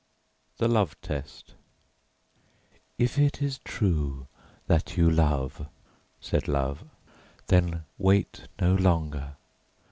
THE LOVE TEST "If it is true that you love," said Love, "then wait no longer.